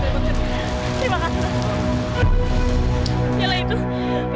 ya sudah saya bantuin deh